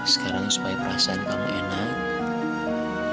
sekarang supaya perasaan kamu enak